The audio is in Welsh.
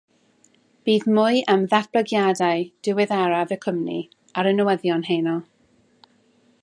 Bydd mwy am ddatblygiadau diweddaraf y cwmni ar y newyddion heno.